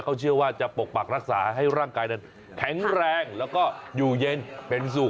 เขาเชื่อว่าจะปกปักรักษาให้ร่างกายนั้นแข็งแรงแล้วก็อยู่เย็นเป็นสุข